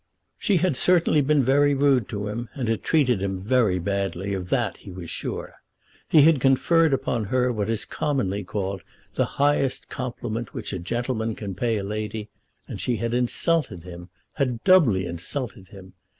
She had certainly been very rude to him, and had treated him very badly. Of that he was sure. He had conferred upon her what is commonly called the highest compliment which a gentleman can pay to a lady, and she had insulted him; had doubly insulted him.